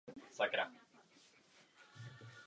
Kromě toho byl i členem parlamentu.